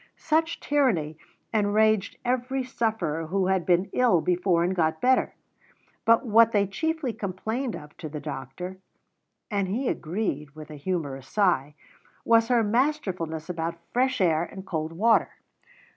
Such tyranny enraged every sufferer who had been ill before and got better; but what they chiefly complained of to the doctor (and he agreed with a humourous sigh) was her masterfulness about fresh air and cold water.